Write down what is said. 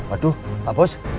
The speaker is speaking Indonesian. waduh pak bos